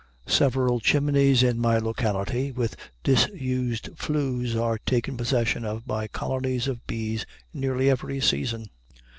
Several chimneys in my locality with disused flues are taken possession of by colonies of bees nearly every season.